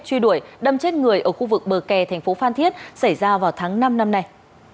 truy đuổi đâm chết người ở khu vực bờ kè thành phố phan thiết xảy ra vào tháng năm năm nay